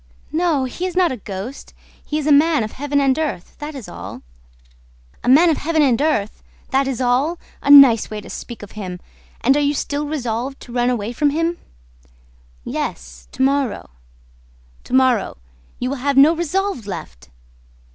"No, he is not a ghost; he is a man of Heaven and earth, that is all." "A man of Heaven and earth ... that is all! ... A nice way to speak of him! ... And are you still resolved to run away from him?" "Yes, to morrow." "To morrow, you will have no resolve left!"